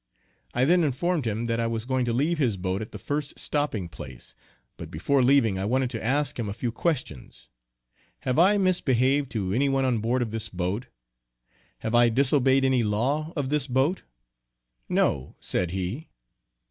I then informed him that I was going to leave his boat at the first stopping place, but before leaving I wanted to ask him a few questions: "Have I misbehaved to any one on board of this boat? Have I disobeyed any law of this boat?" "No," said he.